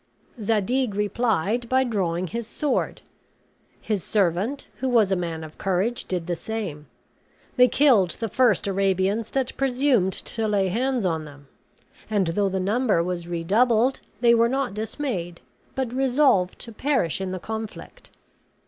Zadig replied by drawing his sword; his servant, who was a man of courage, did the same. They killed the first Arabians that presumed to lay hands on them; and, though the number was redoubled, they were not dismayed, but resolved to perish in the conflict.